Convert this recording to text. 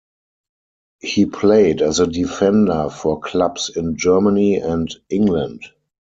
He played as a defender for clubs in Germany and England.